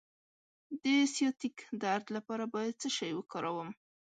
د سیاتیک درد لپاره باید څه شی وکاروم؟